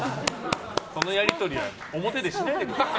このやりとりは表でしないでください。